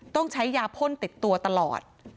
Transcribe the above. ต้องใช้ยาพ่นติดตัวตลอด